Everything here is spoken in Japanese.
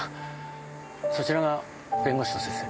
そちらが弁護士の先生？